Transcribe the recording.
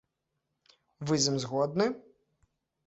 Вы з ім згодны?